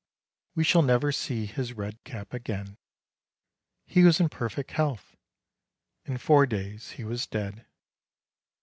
We shall never see his red cap again. He was in perfect health; in four days he was dead.